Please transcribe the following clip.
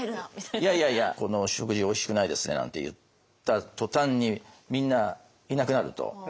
「この食事おいしくないですね」なんて言った途端にみんないなくなると。